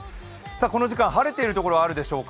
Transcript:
この時間、晴れているところあるでしょうか。